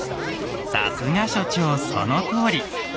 さすが所長そのとおり！